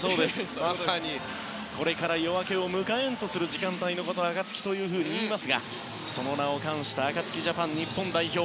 これから夜明けを迎えんとする時間帯のことを暁といいますがその名を冠したアカツキジャパン、日本代表。